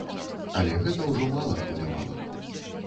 Але гэта ўжо мала хвалявала.